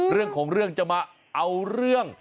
เรื่องของเรื่องจะมาเอาเรื่อง